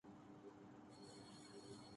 جماعتیں تو ان کی خادم ہیں۔